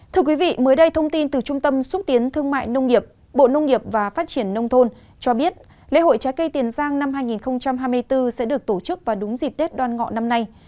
thưa quý vị mới đây thông tin từ trung tâm xúc tiến thương mại nông nghiệp bộ nông nghiệp và phát triển nông thôn cho biết lễ hội trái cây tiền giang năm hai nghìn hai mươi bốn sẽ được tổ chức vào đúng dịp tết đoan ngọ năm nay